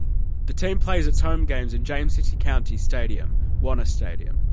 The team plays its home games in James City County Stadium-Wanner Stadium.